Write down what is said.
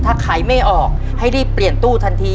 ถ้าขายไม่ออกให้รีบเปลี่ยนตู้ทันที